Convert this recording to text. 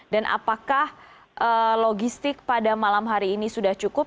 dan apakah logistik pada malam hari ini sudah cukup